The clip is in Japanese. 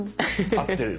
合ってる。